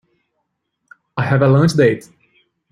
I have a lunch date.